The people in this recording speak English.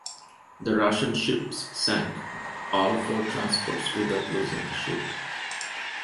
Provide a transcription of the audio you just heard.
The Russian ships sank all four transports without losing a ship.